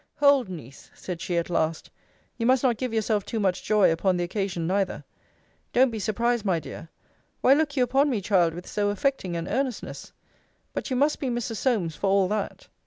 Hold, Niece, said she, at last you must not give yourself too much joy upon the occasion neither. Don't be surprised, my dear. Why look you upon me, child, with so affecting an earnestness? but you must be Mrs. Solmes, for all that.